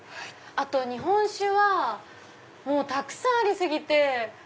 あと日本酒はもうたくさんあり過ぎて。